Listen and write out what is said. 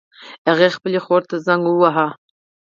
هغې خپلې خور ته زنګ وواهه